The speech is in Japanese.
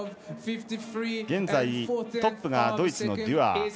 現在、トップがドイツのデュアー。